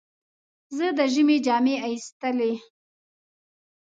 زه د ژمي جامې ایستلې.